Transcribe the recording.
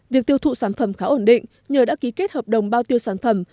việc tiêu thụ sản phẩm khá ổn định nhờ đã ký kết hợp đồng bao tiêu sản phẩm